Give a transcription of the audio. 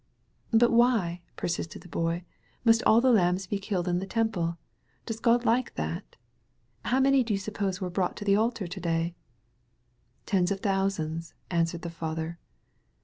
"But why," persisted the Boy, "must all the lambs be killed in the Temple? Does God like that? How many do you suppose were brought to the altar to day?" "Tens of thousands," answered the father.